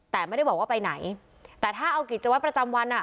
แต่ไม่ได้บอกว่าไปไหนแต่ถ้าเอากิจวัตรประจำวันอ่ะ